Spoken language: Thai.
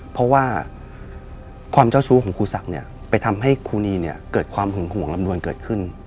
เพราะว่าความเจ้าชู้ของครูศักดิ์ไปทำให้ครูนีเนี่ยเกิดความหึงห่วงลำดวนเกิดขึ้น